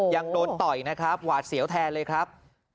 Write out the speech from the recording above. ยังโดนต่อยนะครับหวาดเสียวแทนเลยครับ